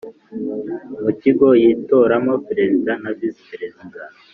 mu Kigo yitoramo Perezida na Visi Perezida